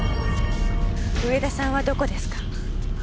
上田さんはどこですか？